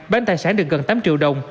bán tài sản được gần tám triệu đồng